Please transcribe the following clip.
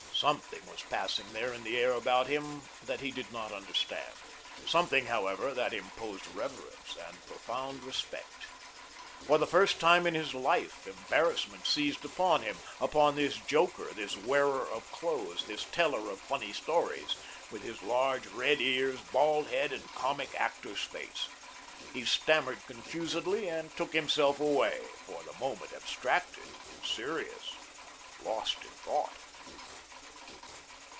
Something was passing there in the air about him that he did not understand, something, however, that imposed reverence and profound respect. For the first time in his life, embarrassment seized upon him, upon this joker, this wearer of clothes, this teller of funny stories, with his large, red ears, bald head and comic actor's face. He stammered confusedly and took himself away, for the moment abstracted, serious, lost in thought.